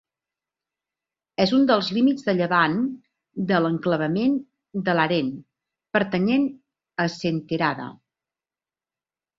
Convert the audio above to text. És un dels límits de llevant de l'enclavament de Larén, pertanyent a Senterada.